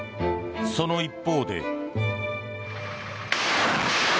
その一方で。